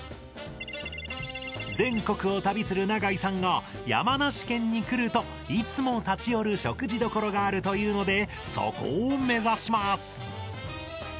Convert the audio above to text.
全国を旅する永井さんが山梨県に来るといつも立ち寄る食事処があるというのでそこを目指します